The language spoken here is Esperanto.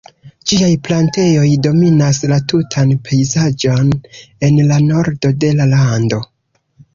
Ĝiaj plantejoj dominas la tutan pejzaĝon en la nordo de la lando.